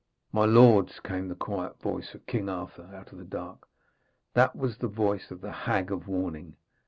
'My Lords,' came the quiet voice of King Arthur out of the dark, 'that was the voice of the Hag of Warning.